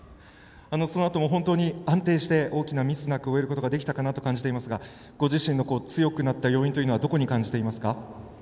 そのあとも本当に安定して大きなミスなく終えることができたと感じていますがご自身の強くなった要因はどこに感じていますか？